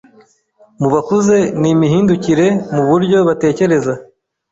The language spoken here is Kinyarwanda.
mu bakuze ni imihindukire mu buryo batekereza